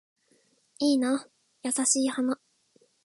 いいな優しい花